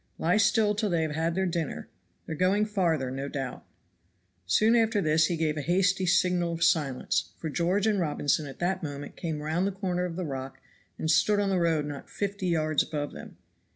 Lie still till they have had their dinner; they are going farther, no doubt." Soon after this he gave a hasty signal of silence, for George and Robinson at that moment came round the corner of the rock and stood on the road not fifty yards above them.